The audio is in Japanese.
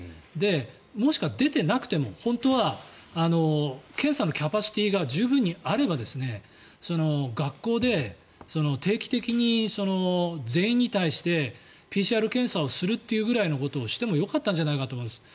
もしくは出てなくても本当は検査のキャパシティーが十分にあれば学校で定期的に全員に対してＰＣＲ検査をするというぐらいのことをしてもよかったんじゃないかと思うんです。